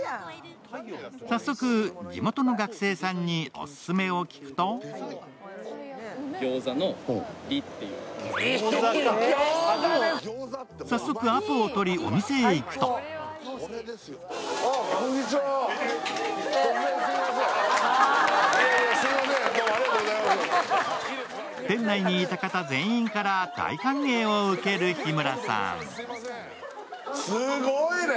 早速、地元の学生さんにオススメを聞くと早速アポをとり、お店へ行くと店内にいた方、全員から大歓迎を受ける日村さん。